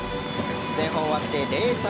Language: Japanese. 前半を終わって０対０。